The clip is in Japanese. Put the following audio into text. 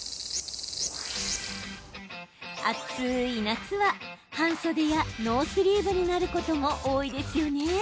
暑い夏は、半袖やノースリーブになることも多いですよね。